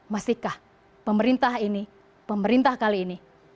masihkah pemerintah ini pemerintah kali ini